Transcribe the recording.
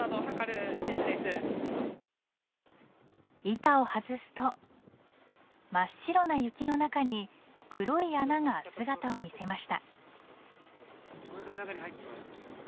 板を外すと真っ白な雪の中に黒い穴が姿を見せました。